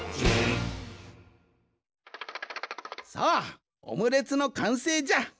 さあオムレツのかんせいじゃ。